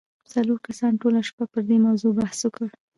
څلورو کسانو ټوله شپه پر دې موضوع بحث وکړ